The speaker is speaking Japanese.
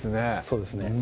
そうですね